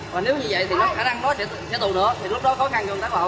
và nếu như vậy thì khả năng nó sẽ tù nữa thì lúc đó khó khăn cho người ta bạo